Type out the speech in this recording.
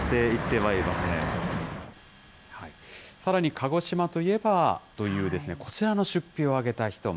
鹿児島といえばという、こちらの出費を挙げた人も。